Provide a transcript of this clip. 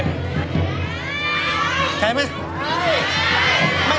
ใช่มั้ย